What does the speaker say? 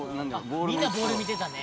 みんなボール見てたね。